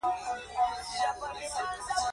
کېله د تمرین نه وروسته د بیا انرژي لپاره خوړل کېږي.